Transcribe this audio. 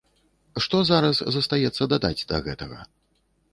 Што зараз застаецца дадаць да гэтага?